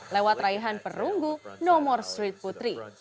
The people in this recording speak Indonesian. lewat raihan perunggu nomor street putri